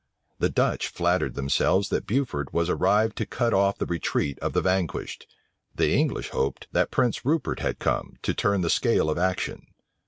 The Dutch flattered themselves that Beaufort was arrived to cut off the retreat of the vanquished: the English hoped, that Prince Rupert had come, to turn the scale of action.